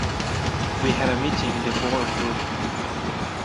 We have a meeting in the boardroom.